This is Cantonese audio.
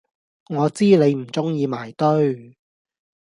我知你唔中意埋堆！